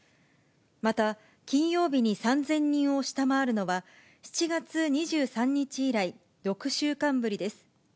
また、金曜日に３０００人を下回るのは、７月２３日以来、６週間ぶりです。